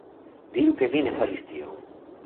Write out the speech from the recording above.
Diru, ke vi ne faris tion!